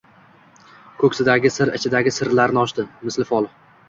Koʻksidagi – sir ichidagi sirlarini ochdi misli fol: